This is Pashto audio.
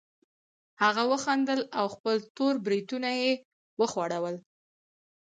هغه وخندل او خپل تور بریتونه یې وغوړول